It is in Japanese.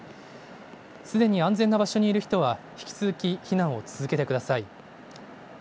すでに安全な場所にいる人は引き続き避難を続けてください。